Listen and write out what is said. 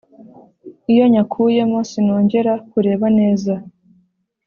Iyo nyakuyemo sinongera kureba neza